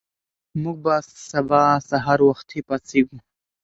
موږ به سبا سهار وختي پاڅېږو.